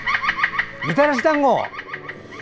みたらしだんご！